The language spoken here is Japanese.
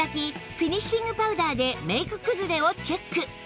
フィニッシングパウダーでメイク崩れをチェック